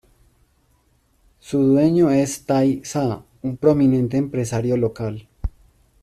Su dueño es Tay Za, un prominente empresario local.